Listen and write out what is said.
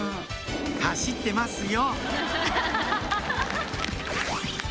走ってますよ